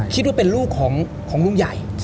คิดว่าเป็นลูกของลุงใหญ่